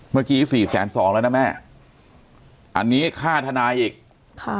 เมื่อกี้สี่แสนสองแล้วนะแม่อันนี้ค่าทนายอีกค่ะ